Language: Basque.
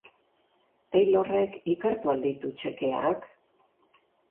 Taylorrek ikertu al ditu txekeak?